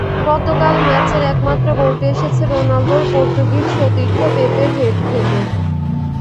গতকাল ম্যাচের একমাত্র গোলটি এসেছে রোনালদোর পর্তুগিজ সতীর্থ পেপের হেড থেকে।